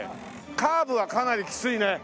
カーブはかなりきついね。